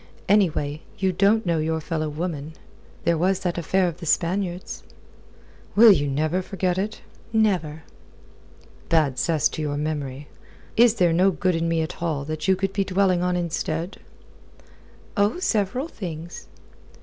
Anyway, you don't know your fellow woman. There was that affair of the Spaniards." "Will ye never forget it?" "Never." "Bad cess to your memory. Is there no good in me at all that you could be dwelling on instead?" "Oh, several things."